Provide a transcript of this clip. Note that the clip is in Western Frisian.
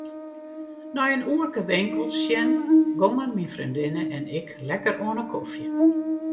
Nei in oerke winkels sjen gongen myn freondinne en ik lekker oan 'e kofje.